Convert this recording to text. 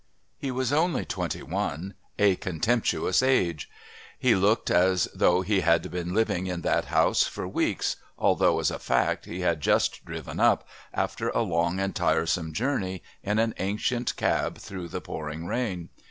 He was only twenty one, a contemptuous age. He looked as though he had been living in that house for weeks, although, as a fact, he had just driven up, after a long and tiresome journey, in an ancient cab through the pouring rain.